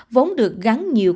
vốn được gắn nhiều các thiết bị